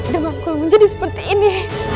demamku menjadi seperti ini